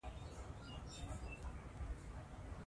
ازادي راډیو د سیاست په اړه د خلکو پوهاوی زیات کړی.